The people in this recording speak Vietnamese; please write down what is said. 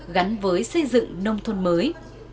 gắn với xây dựng nông thôn mới